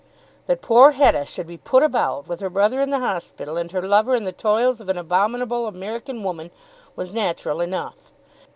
That poor Hetta should be "put about" with her brother in the hospital and her lover in the toils of an abominable American woman was natural enough.